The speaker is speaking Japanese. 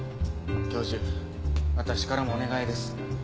教授私からもお願いです。